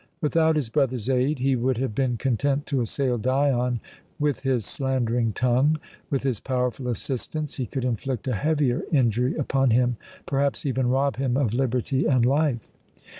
Without his brother's aid, he would have been content to assail Dion with his slandering tongue; with his powerful assistance he could inflict a heavier injury upon him, perhaps even rob him of liberty and life.